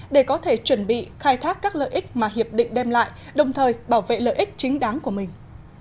để có thể chuẩn bị khai thác các lợi ích mà hiệp định đem lại đồng thời bảo vệ lợi ích chính đáng của mình